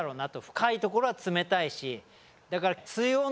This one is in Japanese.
深いところは冷たいしだから正解！わ！